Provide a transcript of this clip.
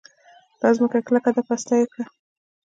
دا ځمکه کلکه ده؛ پسته يې کړه.